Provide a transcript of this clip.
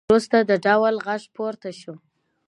وروسته د ډول غږ پورته شو